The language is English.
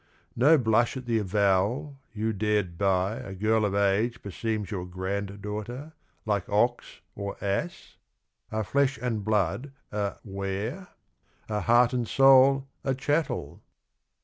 No blush at the avowal you dared buy A girl of age beseems your granddaughter, like ox or ass? Are flesh and blood a ware? Are heart and soul a chattel